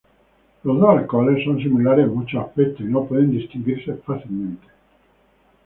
Los dos alcoholes son similares en muchos aspectos y no pueden distinguirse fácilmente.